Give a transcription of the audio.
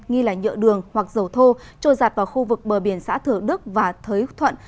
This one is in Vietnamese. nghi là nhựa đường hoặc dầu thô trôi giạt vào khu vực bờ biển xã thửa đức và thới thuận